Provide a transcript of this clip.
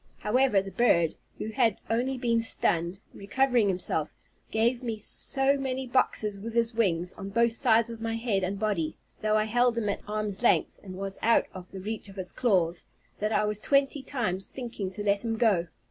However, the bird, who had only been stunned, recovering himself, gave me so many boxes with his wings, on both sides of my head and body, though I held him at arm's length, and was out of the reach of his claws, that I was twenty times thinking to let him go.